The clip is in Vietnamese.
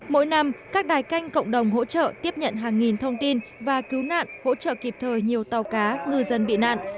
mỗi năm các đài canh cộng đồng hỗ trợ tiếp nhận hàng nghìn thông tin và cứu nạn hỗ trợ kịp thời nhiều tàu cá ngư dân bị nạn